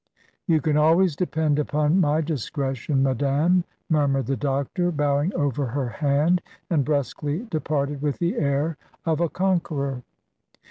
"You can always depend upon my discretion, madame," murmured the doctor, bowing over her hand, and brusquely departed with the air of a conqueror.